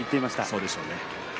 そうでしょうね。